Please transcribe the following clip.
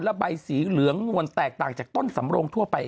และใบสีเหลืองงวนแตกต่างจากต้นสำโรงทั่วไป